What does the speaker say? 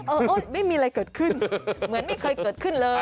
โอ๊ยไม่มีอะไรเกิดขึ้นเหมือนไม่เคยเกิดขึ้นเลย